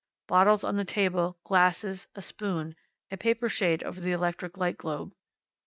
Bottles on the table, glasses, a spoon, a paper shade over the electric light globe.